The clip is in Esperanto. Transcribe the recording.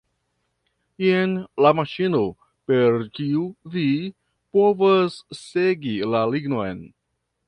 Jen la maŝino, per kiu vi povas segi la lignon.